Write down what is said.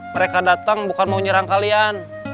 mereka datang bukan mau nyerang kalian